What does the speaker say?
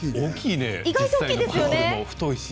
意外と大きいですよね。